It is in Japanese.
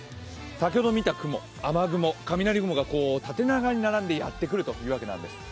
先ほど見たくも、雨雲雷雲が縦長に並んでやってくるというわけなんです。